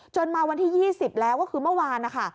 มาวันที่๒๐แล้วก็คือเมื่อวานนะคะ